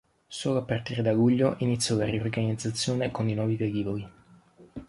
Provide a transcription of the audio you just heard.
Solo a partire da luglio iniziò la riorganizzazione con i nuovi velivoli.